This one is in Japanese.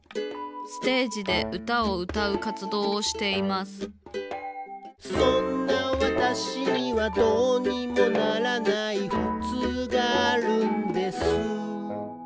ステージでうたをうたうかつどうをしています「そんな私には、どうにもならない」「ふつうがあるんです」